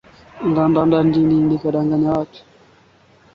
ili shamba liweze kuzaa vizuri na mkulima aweze kupata mavuno mengi